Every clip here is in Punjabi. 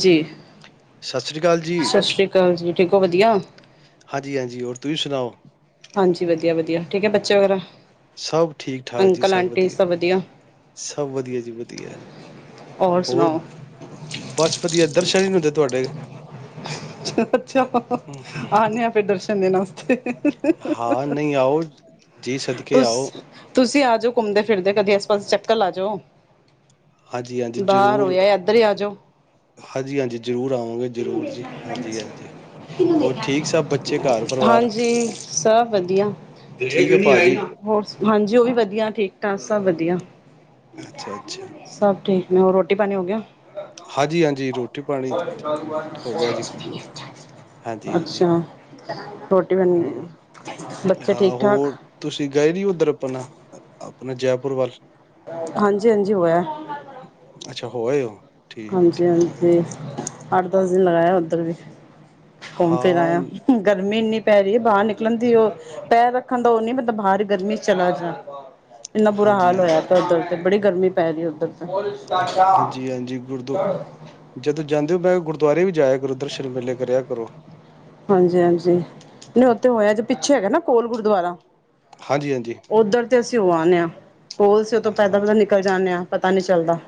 ਜੀ ਸਤਿ ਸ੍ਰੀ ਅਕਾਲ ਜੀ, ਸਤਿ ਸ੍ਰੀ ਅਕਾਲ ਜੀ ਠੀਕ ਓ ਵਧੀਆ ਹਾਂਜੀ ਹਾਂਜੀ ਹੋਰ ਤੁਸੀਂ ਸੁਣਾਓ ਹਾਂਜੀ ਵਧੀਆ ਵਧੀਆ ਠੀਕ ਏ। ਬੱਚੇ ਵਗੈਰਾ ਸਭ ਠੀਕ ਠਾਕ ਜੀ ਸਭ ਵਧੀਆ ਸਭ ਵਧੀਆ ਜੀ ਵਧੀਆ ਔਰ ਹੋਰ ਸੁਣਾਓ ਬਸ ਵਧੀਆ ਦਰਸ਼ਨ ਈ ਨਈ ਦਿੱ ਤੁਹਾਡੇ ਛਾ ਅਛਾ ਹਮ, ਆਨੇ ਆ ਫਿਰ ਦਰਸ਼ਨ ਦੇਣਾ ਹਾਂ ਨਹੀਂ ਆਓ ਜੀ ਸਦਕੇ ਤੁਸ ਆਓ ਤੁਸੀਂ ਆ ਜਾਓ ਘੁੰਮਦੇ ਫਿਰਦੇ ਕਦੇ ਏਸ ਪਾਸੇ ਚੱਕਰ ਲਾ ਜਾਓ ਹਾਂਜੀ-ਹਾਂਜੀ ਬਾਹਰ ਹੋਇਆ ਇੱਧਰ ਹੀ ਆਜਓ ਹਾਂਜੀ, ਹਾਂਜੀ ਹੋਰ ਠੀਕ ਸਭ ਬੱਚੇ ਘਰ ਪਰਿਵਾਰ, ਹਾਂਜੀ ਸਭ ਵਧੀਆ ਠੀਕ ਹੈ ਭਾਜੀ, ਹੋ ਹਾਂਜੀ ਉਹ ਵੀ ਵਧੀਆ ਠੀਕ ਘਰ ਸਬ ਵਧੀਆ। ਅੱਛਾ-ਅੱਛਾ। ਸਭ ਠੀਕ ਨੇ ਹੋਰ ਰੋ ਰੋਟੀ ਪਾਣੀ ਹੋ ਗਿਆ ਹਾਂਜੀ ਹਾਂਜੀ ਰੋਟੀ ਪਾਣੀ ਹੋ ਗਿਆ ਜੀ, ਹਾਂਜੀ-ਹਾਂਜੀ। ਅੱਛਾ ਰੋਟੀ ਬਨ ਗਈ ਹੂੰ ਬੱਚੇ ਹਾਂ ਠੀਕ ਠਾਕ ਹੋਰ ਤੁਸੀਂ ਗਏ ਨੀ ਉੱਧਰ ਅਪਨਾ ਅਪਨਾ ਜੈਪੁਰ ਵੱਲ ਹਾਂਜੀ ਹਾਂਜੀ ਹੋਇਆ। ਅੱਛਾ ਹੋ ਆਏ ਹੋ ਠੀਕ ਹੈ ਹਾਂਜੀ ਠੀਕ ਹੈ ਹਾਂਜੀ ਅੱਠ ਦਸ ਦਿਨ ਲਗਾਇਆ ਉੱਧਰ ਵੀ ਘੁੰਮ ਫਿਰ ਹਾਂ ਆਇਆ ਗਰਮੀ ਇੰਨੀ ਪੈ ਰਹੀ ਏ ਬਾਹਰ ਨਿਕਲਣ ਦੀ ਉਹ, ਪੈਰ ਰੱਖਣ ਦਾ ਉਹ ਨੀ ਬੰਦਾ ਬਾਹਰ ਗਰਮੀ ਚ ਚਲਾ ਜੇ। ਇੰਨਾ ਬੁਰਾ ਹਾਂਜੀ ਹਾਲ ਹੋਇਆ ਹਾਂਜੀ ਪਿਆ ਤੁਰ-ਤੁਰ ਬੜੀ ਗਰਮੀ ਪੈ ਰਹੀ ਹੈ ਉੱਧਰ ਤੇ। ਚਾਚਾ ਗੁਰਦੋ, ਜਦੋਂ ਜਾਂਦੇ ਹੋ ਮੈਂ ਗੁਰਦ ਦਵਾਰੇ ਵੀ ਜਾਇਆ ਕਰੋ ਦਰਸ਼ਨ ਮੇਲੇ ਕਰਿਆ ਕਰੋ। ਹਾਂਜੀ-ਹਾਂਜੀ ਨਹੀਂ ਉੱਥੇ ਹੋਇਆ ਜੋ ਪਿੱਛੇ ਹੈਗਾ ਨਾ ਕੋਲ ਗੁਰਦੁਆਰਾ ਹਾਂਜੀ ਹਾਂਜੀ ਉਧਰ ਤੇ ਅਸੀਂ ਹੋ ਆਉਂਨੇ ਆ। ਪੋਲ ਸੀ ਹਾਂ ਉਥੋਂ ਪੈਦਲ [unintelligible] ਹਾਂ ਨਿਕਲ ਜਾਨੇ ਆ। ਪਤਾ ਨੀ ਚੱਲਦਾ।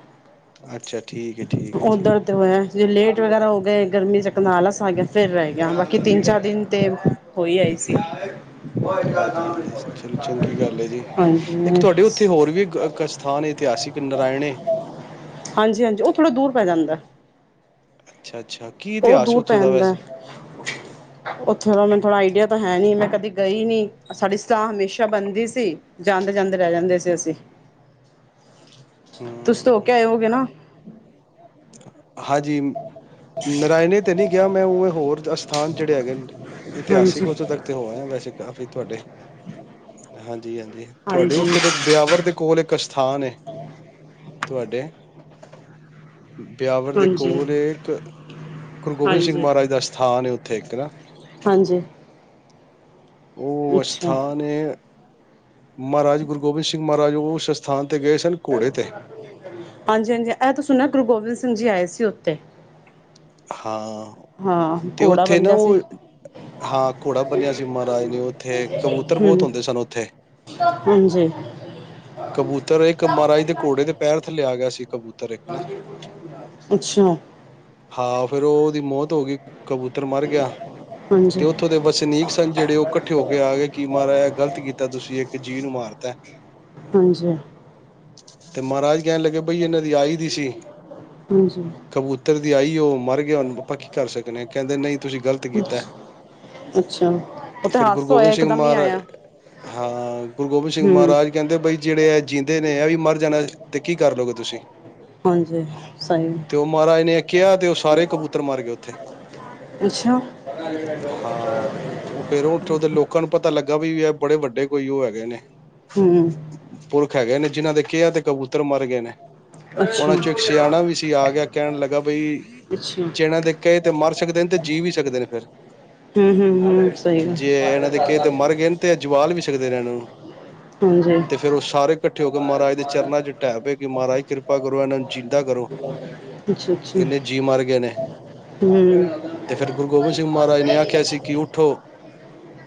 ਅੱਛਾ ਠੀਕ ਹੈ ਠੀਕ ਹੈ ਜੀ ਉੱਧਰ ਤੇ ਹੋ ਆਏ ਜੇ ਲੇਟ ਵਗੈਰਾ ਹੋ ਗਏ ਗਰਮੀ ਚੱਕਣ ਆਲਸ ਆ ਗਿਆ ਫਿਰ ਰਹਿ ਗਏ। [unintelligible] ਕੇ ਤਿੰਨ-ਚਾਰ ਦਿਨ ਤੇ, ਮੈਂ ਹੋ ਈ ਆਈ ਸੀ। ਹਾਂਜੀ-ਹਾਂਜੀ ਚਲੋ ਚੰਗੀ ਗੱਲ ਹੈ ਜੀ, ਇੱਕ ਹਾਂਜੀ ਤੁਹਾਡੇ ਉੱਥੇ ਹੋਰ ਵੀ ਇੱਕ ਸਥਾਨ ਐ ਇਤਿਹਾਸਿਕ ਨਰਾਇਣੇ ਹਾਂਜੀ-ਹਾਂਜੀ ਉਹ ਥੋੜਾ ਦੂਰ ਪੈ ਜਾਂਦਾ। ਅੱਛਾ ਅੱਛਾ ਕੀ ਉਹ ਇਤਿਹਾਸ ਦੂਰ ਪੈ ਉੱਥੋਂ ਦਾ ਜਾਂਦਾ। ਵੈਸੇ ਉੱਥੇ ਥੋੜਾ ਆਈਡੀਆ ਤਾਂ ਹੈ ਨੀ ਮੈਂ ਕਦੇ ਗਈ ਨੀ, ਸਾਡੀ ਸਲਾਹ ਹਮੇਸ਼ਾ ਬਣਦੀ ਸੀ ਜਾਂਦੇ-ਜਾਂਦੇ ਰਹਿ ਜਾਂਦੇ ਸੀ ਅਸੀਂ। ਤੁਸੀ ਤਾਂ ਹੋ ਕੇ ਹਮ ਆਏ ਹੋਊਗੇ ਨਾ। ਹਾਂਜੀ ਨਰਾਾਇਣੇ ਤੇ ਨਹੀਂ ਗਿਆ ਮੈਂ ਉਵੇਂ ਹੋਰ [unintelligible] ਸਥਾਨ ਜਿਹੜੇ ਹੈਗੇ ਨੇ ਹਾਂਜੀ ਇਤਿਹਾਸਿਕ ਉੱਥੋਂ ਤੱਕ ਤੇ ਹੋ ਆਇਆ ਵੈਸੇ ਕਾਫੀ। ਤੁਹਾਡੇ, ਹਾਂਜੀ ਹਾਂਜੀ-ਹਾਂਜੀ ਤੁਹਾਡੇ ਹਾਂਜੀ ਉੱਥੇ ਦੇ ਵਿਆਵਰ ਦੇ ਕੋਲ ਇੱਕ ਸਥਾਨ ਏ, ਤੁਹਾਡੇ ਬਿਆਵਰ ਦੇ ਹਾਂਜੀ ਕੋਲ ਇੱਕ, ਗੁਰੂ ਗੋਬਿੰਦ ਸਿੰਘ ਹਾਂਜੀ ਮਹਾਰਾਜ ਦਾ ਸਥਾਨ ਹੈ ਉੱਥੇ ਇੱਕ ਨਾ। ਹਾਂਜੀ ਉਹ ਅੱਛਾ ਅਸਥਾਨ ਏ ਮਹਾਰਾਜ ਗੁਰੂ ਗੋਬਿੰਦ ਸਿੰਘ ਮਹਾਰਾਜ ਉਸ ਅਸਥਾਨ ਤੇ ਗਏ ਸਨ ਘੋੜੇ ਤੇ ਹਾਂਜੀ-ਹਾਂਜੀ ਇਹ ਤਾਂ ਸੁਣਿਆ ਗੁਰੂ ਗੋਬਿੰਦ ਸਿੰਘ ਜੀ ਆਏ ਸੀ ਉੱਥੇ। ਹਾਂ ਹਾਂ ਤੇ ਘੋੜਾ ਉੱਥੇ ਨਾ ਬੰਦਿਆ ਸੀ ਉਹ, ਹਾਂ ਘੋੜਾ ਬੰਨਿਆ ਸੀ ਮਹਾਰਾਜ ਨੇ ਉੱਥੇ ਕਬੂਤਰ ਬਹੁਤ ਹਮ ਹੁੰਦੇ ਸਨ ਉੱਥੇ। ਹਾਂਜੀ ਕਬੂਤਰ ਇੱਕ ਮਹਾਰਾਜ ਦੇ ਘੋੜੇ ਦੇ ਪੈਰ ਥੱਲੇ ਆ ਗਿਆ ਸੀ ਕਬੂਤਰ ਇੱਕ ਨਾ। ਅੱਛਾ ਹਾਂ ਫੇਰ ਉਹ ਉਹਦੀ ਮੌਤ [unintelligible] ਤੋਂ ਕਿ ਕਬੂਤਰ ਮਰ ਗਿਆ, ਹਾਂਜੀ ਤੇ ਉੱਥੋ ਦੇ ਵਸਨੀਕ ਸਨ ਜਿਹੜੇ ਉਹ ਇਕੱਠੇ ਹੋ ਕੇ ਆ ਗਏ ਕਿ ਮਹਾਰਾਜ ਇਹ ਗ਼ਲਤ ਕੀਤਾ ਤੁਸੀਂ ਇੱਕ ਜੀਅ ਨੂੰ ਮਾਰਤੈ। ਹਾਂਜੀ ਤੇ ਮਹਾਰਾਜ ਕਹਿਣ ਲੱਗੇ ਬਈ ਇਹਨਾਂ ਦੀ ਆਈ ਦੀ ਸੀ। ਹਾਂਜੀ, ਤੇ ਆਈ ਉਹ ਮਰ ਗਿਆ ਆਪਾਂ ਕੀ ਕਰ ਸਕਦੇ ਨੇ, ਕਹਿੰਦੇ ਨਹੀਂ ਤੁਸੀਂ ਗ਼ਲਤ ਅੱਛਾ ਕੀਤਾ ਅੱਛਾ ਉਹ ਤੇ ਫਿਰ ਗੁਰੂ ਹਾਦਸਾ ਹੋਇਆ ਗੋਬਿੰਦ ਸਿੰਘ ਇੱਕਦਮ ਹੀ ਮਹਾਰਾਜ, ਆਇਆ ਹਾਂ ਗੁਰੂ ਗੋਬਿੰਦ ਸਿੰਘ ਹੂੰ ਮਹਾਰਾਜ ਕਹਿੰਦੇ ਬਈ ਜਿਹੜੇ ਏ ਜੀਂਦੇ ਨੇ ਇਹ ਵੀ ਮਰ ਜਾਣਾ ਤੇ ਕੀ ਕਰਲੋ ਗੇ, ਤੁਸੀਂ। ਹਾਂਜੀ, ਸਹੀ। ਤੇ ਉਹ ਮਹਾਰਾਜ ਨੇ ਕਿਹਾ ਤੇ ਉਹ ਸਾਰੇ ਕਬੂਤਰ ਮਾਰ ਗਏ ਉੱਥੇ, ਅੱਛਾ ਹਾਂ ਉਹ ਫੇਰ ਉੱਥੋ ਦੇ ਲੋਕਾਂ ਨੂੰ ਪਤਾ ਲੱਗਾ ਵੀ ਏ ਬੜੇ ਵੱਡੇ ਕੋਈ ਉਹ ਹੈਗੇ ਨੇ। ਹੂ, ਪੁਰਖ ਹੈਗੇ ਨੇ ਜਿਹਨ੍ਹਾਂ ਦੇ ਕਿਹਾ ਤੇ ਕਬੂਤਰ ਮਰ ਗਏ ਨੇ। ਅੱਛਾ ਉਹਨਾਂ ਚੋਂ ਇੱਕ ਸਿਆਣਾ ਵੀ ਸੀ ਆ ਗਿਆ, ਕਹਿਣ ਲੱਗਾ ਬਈ ਅੱਛਾ ਜੇ ਇਹਨਾਂ ਦੇ ਕਹੇ ਤੇ ਮਰ ਸਕਦੇ ਨੇ ਤੇ ਜੀ ਵੀ ਸਕਦੇ ਨੇ ਫਿਰ, ਹੂੰ ਹੂੰ ਹੂੰ ਸਹੀ ਗੱਲ ਜੇ ਇਹਨਾਂ ਦੇ ਕਹੇ ਤੇ ਮਰ ਗਏ ਨੇ ਤੇ ਜਵਾਲ ਵੀ ਹਿਰਦੇ ਰਹਿ ਨੂੰ, ਹਾਂਜੀ ਤੇ ਫੇਰ ਉਹ ਸਾਰੇ ਇਕੱਠੇ ਹੋ ਕੇ ਮਹਾਰਾਜ ਦੇ ਚਰਨਾਂ ਚ ਢਹਿ ਪਏ ਕਿ ਮਹਾਰਾਜ ਕਿਰਪਾ ਕਰੋ, ਇਹਨਾਂ ਨੂੰ ਜਿੰਦਾ ਕਰੋ। ਅੱਛਾ ਅੱਛਾ ਇੰਨੇ ਜੀਅ ਮਰ ਗਏ ਨੇ, ਹੂੰ ਹੂੰ ਤੇ ਫਿਰ ਗੁਰੂ ਗੋਬਿੰਦ ਸਿੰਘ ਮਹਾਰਾਜ ਨੇ ਆਖਿਆ ਸੀ ਕਿ ਉੱਠੋ,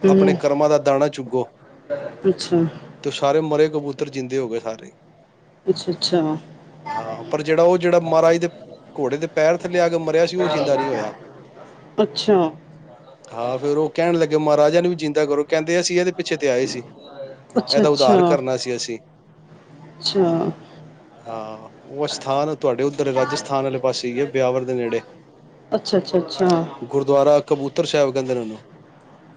ਆਪਣੇ ਕਰਮਾਂ ਦਾ ਦਾਨ ਆ ਚੁਕੋ। ਅੱਛਾ, ਕਬੂਤਰ ਜਿੰਦੇ ਹੋ ਗਏ ਸਾਰੇ। ਅੱਛਾ ਹਾਂ, ਪਰ ਜਿਹੜਾ ਉਹ ਜਿਹੜਾ ਮਹਾਰਾਜ ਦੇ ਘੋੜੇ ਦੇ ਪੈਰ ਥੱਲੇ ਆ ਕੇ ਮਰਿਆ ਸੀ ਉਹ ਜਿੰਦਾ ਨੀ ਹੋਇਆ, ਅੱਛਾ ਅੱਛਾ ਹਾਂ ਫੇਰ ਉਹ ਕਹਿਣ ਲੱਗੇ ਮ ਰਾਜਾ ਨੂੰ ਵੀ ਜਿੰਦਾ ਕਰੋ, ਕਹਿੰਦੇ ਅਸੀਂ ਇਹਦੇ ਪਿੱਛੇ ਤੇ ਆਏ ਸੀ, ਇਹਦਾ ਉੱਧਾਰ ਕਰਨਾ ਸੀ ਅਸੀਂ, ਹਾਂ ਉਹ ਅਸਥਾਨ ਤੁਹਾਡੇ ਉੱਧਰ ਰਾਜਸ [unintelligible] ਦੇ ਨੇੜੇ। ਅੱਛਾ ਅੱਛਾ ਅੱਛਾ ਅੱਛਾ ਅੱਛਾ ਅੱਛਾ ਗੁਰਦੁਆਰਾ ਕਬੂਤਰ ਸਾਹਿਬ। ਗੰਦਲਾਂ ਨੂੰ।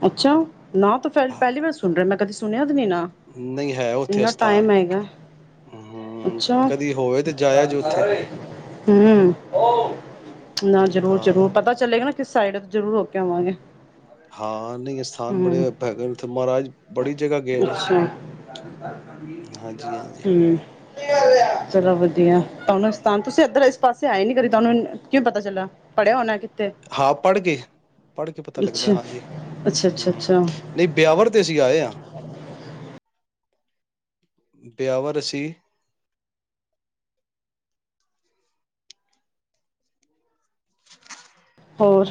ਅੱਛਾ, ਨਾਂ ਤਾਂ ਫੇਰ ਪਹਿਲੀ ਵਾਰ ਸੁਣ ਰਿਹਾ, ਮੈਂ ਕਦੀ ਸੁਣ ਸੁਣਿਆ ਨੀ ਨਾ, ਨਹੀਂ ਹੈ ਉੱਥੇ ਨਾ ਟਾਈਮ ਅਸਥਾਨ ਹੈਗਾ, ਹਮ ਅੱਛਾ, ਕਦੀ ਹੋਵੇ ਤੇ ਜਾਇਆ ਜੇ ਉੱਥੇ ਹਮ, ਨਾ ਜ਼ਰੂਰ ਹਾਂ ਜ਼ਰੂਰ ਪਤਾ ਚੱਲੇਗਾ ਨਾ ਕਿਸ ਸਾਈਡ ਜ਼ਰੂਰ ਹੋਕੇ ਆਵਾਂਗੇ। ਹਾਂ ਨਹੀਂ ਅਸਥਾਨ ਬੜੇ ਹੂੰ ਹੋਏ ਭੈਥ ਮਹਾਰਾਜ ਬੜੀ ਜਗ੍ਹਾ ਗਏ ਨੇ ਅੱਛਾ। ਹਾਂਜੀ ਹਾਂਜੀ ਹੂ ਚਲੋ ਵਧੀਆ ਤੁਹਾਨੂੰ ਤਾਂ ਤੁਸੀਂ ਇੱਧਰ ਇਸ ਪਾਸੇ ਆਏ ਨੀ ਕਦੀ ਤੁਹਾਨੂੰ ਕਿਉਂ ਪਤਾ ਚੱਲ ਪੜ੍ਹਿਆ ਹੋਣਾ। ਕਿੱਥੇ ਹਾਂ ਪੜ੍ਹ ਕੇ, ਪੜ੍ਹ ਕੇ ਪਤਾ ਲੱਗਦਾ ਹੈ। ਅੱਛਾ ਹਾਂਜੀ ਅੱਛਾ ਅੱਛਾ ਹਮ ਅੱਛਾ ਨਹੀਂ ਵਿਆਵਰ ਤੇ ਅਸੀਂ ਆਏ ਹਾਂ। [inaudible] ਬਿਆਵਰ ਅਸੀ ਹੋਰ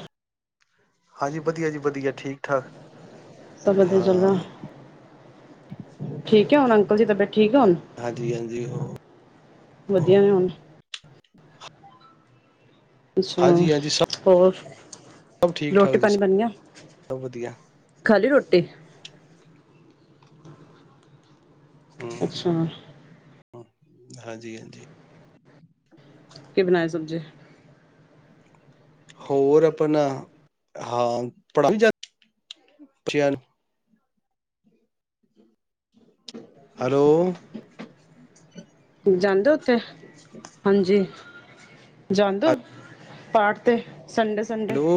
ਹਾਂਜੀ ਵਧੀਆ ਜੀ ਵਧੀਆ ਠੀਕ-ਠਾਕ। ਸਭ ਵਧੀਆ ਚੱਲਦਾ, ਠੀਕ ਹੈ ਹੁਣ ਅ ਅਂਕੱਲ ਜੀ ਤਬੀਅਤ ਠੀਕ ਆ ਹੁਣ, ਹਾਂਜੀ ਹਾਂਜੀ ਵਧੀਆ ਨੇ ਹੁਣ ਅੱਛਾ। ਹਾਂਜੀ ਹਾਂਜੀ ਹੋਰ, ਸਭ ਠੀਕ ਠਾਕ ਰੋਟੀ ਜੀ ਪਾਣੀ ਸਭ ਬਨ ਗਿਆ। ਵਧੀਆ ਖਾਲੀ ਰੋਟੀ [unintelligible] ਅੱਛਾ। ਹਾਂਜੀ-ਹਾਂਜੀ। ਕੀ ਬਣਾਇਆ ਸਬਜੀ ਹੋਰ ਆਪਣਾ ਹਾਂ ਪੜਾ ਲਿਆ ਬੱਚਿਆਂ ਨੂੰ। ਹੈਲੋ। ਜਾਂਦੇ ਉੱ ਉਥੇ ਹਾਂਜੀ ਜਾਂਦੋ ਐੱ ਪਾਠ ਤੇ। ਸੰਡੇ-ਸੰਡੇ। Hello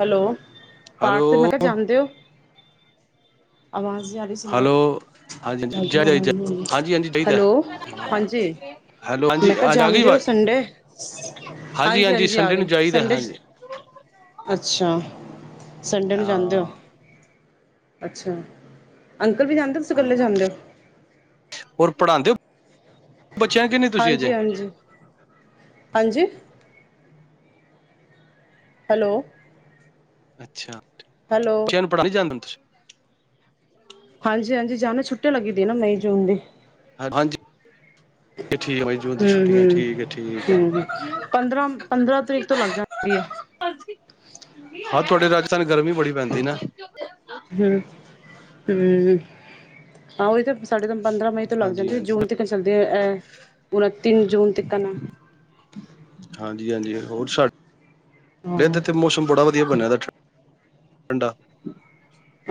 hello. ਪਾਠ ਹੈਲੋ ਤੇ ਮੈਂ ਕਿਹਾ ਜਾਂਦੇ ਹੋ। ਆਵਾਜ਼ ਨੀ ਆ ਰਿ ਸੁਣ ਨਾ ਹੈਲੋ ਹਾਂਜੀ ਹਾਂਜੀ ਰਾਜੂ ਜੈ ਜੈ ਨਾਲ ਜੈ ਗੱਲ ਹੋ ਰੀ, ਹਾਂਜੀ ਹਾਂਜੀ ਚਾਹੀਦਾ ਹੈਲੋ। ਹਾਂਜੀ ਹੈਲੋ ਹਾਂਜੀ ਮੈਂ ਕਿਹਾ ਆ ਗਈ ਜਾਂਦੇ ਹੋ ਆਵਾਜ਼ ਸੰਡੇ, ਹਾਂਜੀ ਹਾਂਜੀ ਹਾਂਜੀ-ਹਾਂਜੀ ਆ ਸੰਡੇ ਨੂੰ ਗਈ ਚਾਹੀਦਾ ਸੰਡੇ ਹਾਂਜੀ ਅੱਛਾ ਸੰਡੇ ਨੂੰ ਜਾਂਦੇ ਹੋ। ਹਾਂ ਅੱਛਾ। ਅੰਕਲ ਵੀ ਜਾਂਦੇ ਨੇ, ਕੇ ਤੁਸੀ ਕੱਲੇ ਹੂੰ, ਜਾਂਦੇ ਹੋ। ਹੋਰ ਪੜ੍ਹਾਉਂਦੇ ਹੋ ਬੱਚਿਆਂ ਨੂੰ ਕਿ ਨਹੀਂ ਤੁਸੀਂ ਅਜੇ ਹਾਂਜੀ-ਹਾਂਜੀ। ਹਾਂਜੀ। ਹੈਲੋ। ਅੱਛਾ। ਹੈਲੋ ਬੱਚਿਆਂ ਨੂੰ ਪੜਾਨੇ ਜਾਂਦੇ ਹੋ ਤੁਸੀ ਹਾਂਜੀ ਹਾਂਜੀ ਜਾਣ ਛੁੱਟਿਆ ਲੱਗੀ ਦੀ ਨਾ ਮਈ ਜੂਨ ਦੀ। ਹਾਂਜੀ ਠੀਕ ਹੈ ਬਾਈ ਜੂਨ ਦੀ ਹੂ ਛੁੱਟੀਆਂ ਹੂ ਠੀਕ ਹੈ ਠੀਕ ਹੈ ਹੂ ਪੰਦਰਾਂ ਪੰਦਰਾਂ ਤਰੀਕ ਤੋਂ ਲੱਗ ਜਾਣ ਗਏ ਹਾਂ ਤੁਹਾਡੇ ਰਾਜਸਥਾਨ ਗਰਮੀ ਬੜੀ ਪੈਂਦੀ ਨਾ ਹੂੰ [unintelligible] ਹੂੰ ਹਾ ਓਹੀ ਤਾਂ ਸਾਡੇ ਤਾਂ ਪੰਦਰਾਂ ਮਈ ਤੋਂ ਲੱਗ ਹਾਂਜੀ ਜਾਂਦੀ ਹਾਂਜੀ ਜੂਨ ਤੱਕ ਚੱਲਦੀ ਪੂਰਾ ਤਿੰਨ ਜੂਨ ਤੱਕ ਨਾ ਹਾਂਜੀ ਹਾਂਜੀ ਹੋਰ ਹਾਂ। ਇਧਰ ਤੇ ਮੌਸਮ ਬੜਾ ਵਧੀਆ ਬਣਿਆ ਠੰਡਾ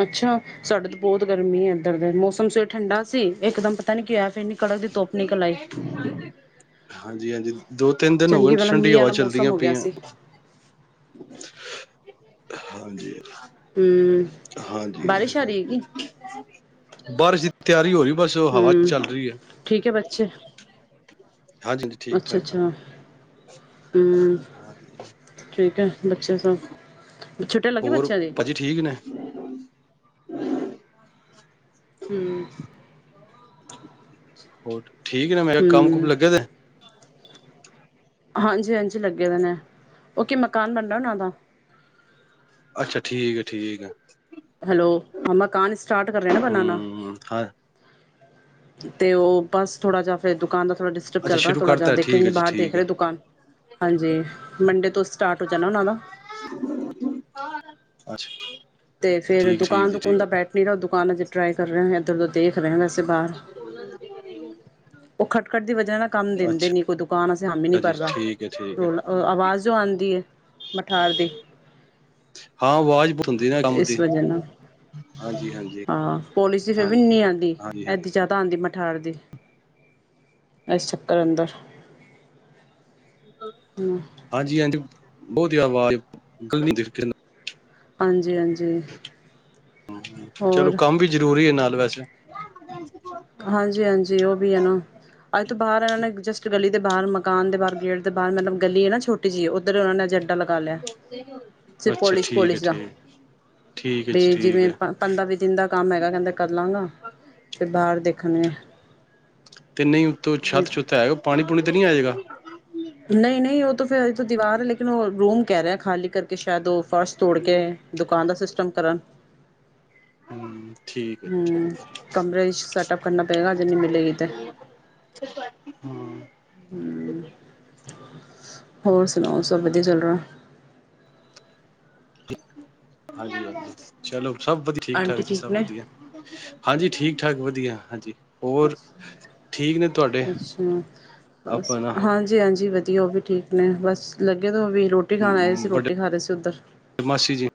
ਅੱਛਾ ਸਾਡੇ ਤੋਂ ਬਹੁਤ ਗਰਮੀ ਹੈ ਇੱਧਰ ਤੇ ਮੌਸਮ ਸਵੇਰ ਠੰਡਾ ਸੀ ਇਕ ਇੱਕਦਮ ਪਤਾ ਨੀ ਕਿਹਾ ਫਿਰ ਨੀ ਹਾਂ [inaudible] ਹਾਂਜੀ ਹਾਂਜੀ ਦੋ ਤਿੰਨ ਦਿਨ ਹੋ ਗਏ ਚੰਗੀ ਭਲਾ ਠੰਡੀਆਂ ਮੀਂਹ ਹਵਾਵਾ ਵਾਲਾ ਮੌਸਮ ਚਲਦਿਆਂ ਹੋ ਗਿਆ ਪਇਆ। ਸੀ। ਹਾਂਜੀ ਹੂੰ, ਹਾਂਜੀ ਬਾਰਿਸ਼ ਆ ਰਹੀ ਹੈਗੀ ਬਾਰਿਸ਼ ਦੀ ਤਿਆਰੀ ਹੋ ਰਹੀ ਬਸ ਉਹ ਹਵਾ ਹੂੰ ਚੱਲ ਰਹੀ ਹੈ ਠੀਕ ਹੈ ਬੱਚੇ ਹਾਂਜੀ ਹਾਂਜੀ ਠੀਕ ਅੱਛਾ ਠਾਕ ਅੱਛਾ ਹਾਂਜੀ ਹੂੰ ਹਾਂਜੀ ਠੀਕ ਹੈ। ਬੱਚਿਆਂ ਸਭ ਛੁੱਟੀਆਂ ਲੱਗੀ ਹੋਰ ਬੱਚਿਆਂ ਦੀ ਭਾਜੀ ਠੀਕ ਨੇ। ਹੂੰ ਹੋਰ ਠੀਕ ਨਾ ਮੇਰੇ ਕੰਮ ਕੁਮ ਹੂੰ, ਲੱਗੇ ਨੇ। ਹਾਂਜੀ ਹਾਂਜੀ ਲੱਗੇ ਹੋਏ ਨੇ। ਉਹ ਕੀ ਮਕਾਨ ਬਣਦਾ ਉਹਨਾਂ ਦਾ ਅੱਛਾ ਠੀਕ ਹੈ ਠੀਕ ਹੈ। ਹੈਲੋ ਹਮ ਅਕਾਸ ਸਟਾਰਟ ਕਰ ਲੈ ਇੰਨਾ ਦਾ ਹਮ ਹਾਂ ਤੇ ਉਹ ਬਸ ਥੋੜਾ ਜਿਹਾ ਫੇਰ ਦੁਕਾਨ ਦਾ ਥੋੜ੍ਹਾ ਡਿਸਟਰਬ ਅੱਛਾ ਚੱਲ ਰਿਹਾ ਸ਼ੁਰੂ ਥੋੜ੍ਹਾ ਜਿਹਾ ਕਰਤਾ ਠੀਕ ਦੇਖੋਗੇ ਹੈ ਜੀ ਬਾਹਰ ਦੇਖ ਠੀਕ ਹੈ ਰਹੇ ਦੁਕਾਨ। ਹਾਂਜੀ ਮੰਡੇ ਤੋਂ ਸਟਾਰਟ ਹੋ ਜਾਣਾ ਉਹਨਾਂ ਦਾ ਅੱਛਾ ਤੇ ਫੇਰ ਠੀਕ ਠੀਕ ਦੁਕਾਨ ਜੀ ਦੁਕੂਾਨ ਠੀਕ ਦਾ ਬੈਠ ਨੀ ਰਹ ਦੁਕਾਨ ਅਜੇ ਟਰਾਈ ਕਰ ਰਹੇ ਨੇ। ਚਲੋ ਦੇਖ ਰਹੇਗਾ ਬਾਹਰ ਉਹ ਖਟਖਟ ਦੀ ਵਜ੍ਹਾ ਨਾਲ ਕੰਮ ਦਿੰਦੇ ਨੀ ਅੱਛਾ ਕੋਈ ਦੁਕਾਨ ਅਸੀਂ ਹਾਮੀ ਹੀ ਨੀ ਜੀ ਭਹਾ ਠੀਕ ਹੈ ਠੀਕ ਹੈ ਰੋਲਾ ਆਵਾਜ਼ ਜੋ ਆਉਂਦੀ ਹੈ ਮਠਾਰ ਦੀ ਹਾਂ ਆਵਾਜ਼ ਬਹੁਤ ਹੁੰਦੀ ਨਾ ਕੰਮ ਇਸ ਦੀ ਵਜੇ ਨਾਲ। ਹਾਂਜੀ ਹਾਂਜੀ ਹਾਂ ਪੋਲਿਸ਼ ਦੀ ਜਮਾ ਹਾਂਜੀ ਇਹ ਨਹੀ ਆਂਦੀ ਹਾਂਜੀ ਹਾਂਜੀ ਇਹਦੀ ਜਾਦਾ ਆਂਦੀ। ਠਾਰ ਦੀ ਇਸ ਚੱਕਰ ਅੰਦਰ ਹਾਂਜੀ ਹਾਂਜੀ ਓਦੀ ਆਵਾਜ਼ ਕਦੀ ਦੇਖੇ ਨਾ [unintelligible] ਹਾਂਜੀ ਹਾਂਜੀ ਚਲੋ ਹੋਰ ਕੰਮ ਵੀ ਜ਼ਰੂਰੀ ਹੈ ਨਾਲ ਵੈਸੇ ਅੱਛਾ ਹਾਂਜੀ ਹਾਂਜੀ ਉਹ ਵੀ ਹੈ ਨਾ ਅੱਜ ਤੋਂ ਬਾਹਰ ਇਹਨਾਂ ਨੇ ਜਸਟ ਗਲੀ ਤੇ ਬਾਹਰ ਮਕਾ ਮਕਾਨ ਦੇ ਬਾਹਰ ਗੇਟ ਦੇ ਬਾਹਰ ਮਤਲਬ ਗਲੀ ਹੈ ਨਾ ਛੋਟੀ ਜਿਹੀ ਉਹ ਫਿਰ ਹੁਣ ਏਨਾ ਚਿਰ ਅੱਡਾ ਲਗਾ ਲਿਆ ਹੈ ਸਿਰਫ਼ ਅੱਛਾ ਪੋਲਿਸ਼ ਠੀਕ ਹੈ ਪੋਲਿਸ਼ ਦਾ ਠੀਕ ਠੀਕ ਹੈ ਜੀ ਬਈ ਠੀਕ ਜਿਵੇਂ ਹੈ ਪੰਦਰਾਂ ਵੀਹ ਦਿਨ ਦਾ ਕੰਮ ਹੈਗਾ ਕਹਿੰਦੇ ਕਰ ਲਾਂਗਾ ਫਿਰ ਬਾਹਰ ਦੇਖਣੇ ਆ ਤੇ ਨਹੀਂ ਉਤੋਂ ਛੱਤ ਛੁਤ ਹੈ ਪਾਣੀ ਪੂਣੀ ਤੇ ਨਹੀ ਆ ਜਾਏਗਾ ਨਹੀਂ ਨਹੀਂ ਉਹ ਤਾਂ ਫਿਰ ਦੀਵਾਰ ਹੈ ਲੇਕਿਨ ਉਹ ਰੂਮ ਕਹਿ ਰਿਹਾ ਹੈ ਖਾਲੀ ਕਰਕੇ ਸ਼ਾਇਦ ਉਹ ਫਾਸਟ ਤੋੜ ਕੇ ਦੁਕਾਨ ਦਾ ਸਿਸਟਮ ਕਰਨ ਹਮ ਠੀਕ ਹੈ ਜੀ ਹੂੰ ਠੀਕ ਕਮਰੇ 'ਚ ਸੈਟਅਪ ਕਰਨਾ ਪਏਗਾ ਜੇ ਨਹੀਂ ਮਿਲੇਗੀ ਤੇ ਹਾਂ [inaudible] ਹੋਰ ਸੁਣਾਓ ਸਭ ਵਧੀਆ ਚੱਲ ਰਿਹਾ ਹਾਂਜੀ ਹਾਂਜੀ ਚਲੋ ਸਭ ਵਧੀਆ ਠੀਕ ਠਾਕ ਆਂਟੀ ਜੀ ਸਭ ਨੇ ਵਧੀਆ ਹਾਂਜੀ ਠੀਕ ਠੀਕ ਠਾਕ ਵਧੀਆ ਹਾਂਜੀ ਹੋਰ ਠੀਕ ਨੇ ਤੁਹਾਡੇ ਅੱਛਾ ਆਪਣਾ ਹਾਂਜੀ ਹਾਂਜੀ ਵਧੀਆ ਉਹ ਵੀ ਠੀਕ ਨੇ ਬਸ ਲੱਗੇ ਓਵੀ ਰੋਟੀ ਖਾਣ ਆਏ ਸੀ ਵੱਡੇ ਰੋਟੀ ਖਾ ਰਹੇ ਸੀ ਉੱਧਰ ਮਾਸੀ ਜੀ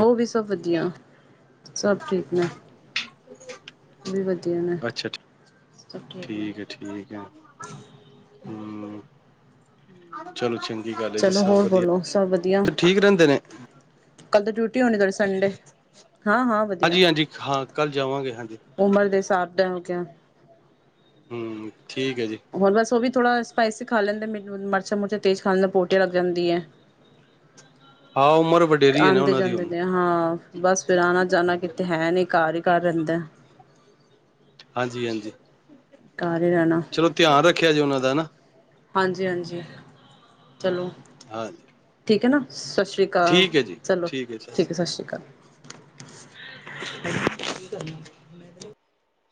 ਐੱ ਵੀ ਸਭ ਵਧੀਆ ਸਭ ਠੀਕ ਨੇ ਵੀ ਵਧੀਆ ਤੇ ਏਨੇ ਅੱਛਾ ਸਭ ਠੀਕ ਨੇ ਹੂ ਚਲੋ ਚੰਗਾ ਚਲੋ ਹੋਰ ਬੋਲੋ ਸਭ ਵਧੀਆ। ਠੀਕ ਰਹਿੰਦੇ ਨੇ ਕੱਲ ਤੋਂ ਡਿਊਟੀ ਹੋਣੀ ਤੁਹਾਡੀ ਸੰਡੇ। ਹਾਂ-ਹਾਂ ਵਧੀਆ। ਹਾਂਜੀ ਹਾਂਜੀ ਹਾਂ ਕੱਲ ਜਾਵਾਂਗੇ ਹਾਂਜੀ ਉਮਰ ਦੇ ਹਿਸਾਬ ਦਾ ਹੋ ਗਿਆ। ਹੂੰ ਠੀਕ ਹੈ ਜੀ। ਥੋੜ੍ਹਾ ਸਪਾਈਸੀ ਖਾ ਲੈਂਦੇ ਮੈਂਨੂੰ ਮਿਰਚਾਂ-ਮੁਰਚਾਂ ਤੇਜ ਖਾਣ ਨਾਲ ਪੋਟੀਆਂ ਲੱਗ ਜਾਂਦੀਆਂ। ਹਾਂ ਉਮਰ ਵਡੇਰੀ ਹੈ ਨਾ ਆਂਦੇ ਉਹਨਾਂ ਦੀ ਜਾਂਦੇ ਹੁਣ ਨੇ ਹਾਂ ਬਸ ਫਿਰ ਆਣਾ ਜਾਣਾ ਕਿਤੇ ਹੈ ਨੀ ਘਰ ਹੀ ਘਰ ਰਹਿੰਦਾ। ਹਾਂਜੀ-ਹਾਂਜੀ। ਘਰ ਹੀ ਰਹਿਣਾ ਚਲੋ ਧਿਆਨ ਰੱਖਿਆ ਜੇ ਉਹਨਾਂ ਦਾ ਹਨਾ। ਹਾਂਜੀ-ਹਾਂਜੀ ਚਲੋ। ਹਾਂਜੀ। ਠੀਕ ਹੈ ਨਾ। ਸਤਿ ਸ਼੍ਰੀ ਅਕਾਲ, ਠੀਕ ਹੈ ਜੀ ਚਲੋ ਸਰ ਠੀਕ ਹੈ ਸਤਿ ਸ਼੍ਰੀ ਅਕਾਲ। ਕੀ ਕਰਨਾ।